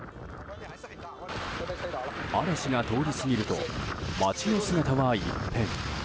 嵐が通り過ぎると町の姿は一変。